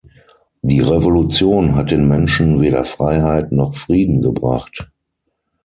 Die Revolution hat den Menschen weder Freiheit noch Frieden gebracht.